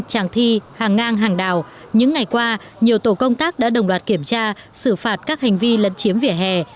tràng thi hàng ngang hàng đào những ngày qua nhiều tổ công tác đã đồng loạt kiểm tra xử phạt các hành vi lấn chiếm vỉa hè